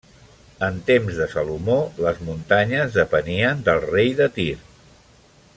En temps de Salomó les muntanyes depenien del rei de Tir.